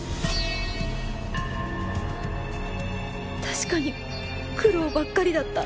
確かに苦労ばっかりだった